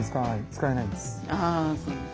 使えないんです。